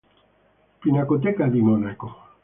Pinacoteca di Monaco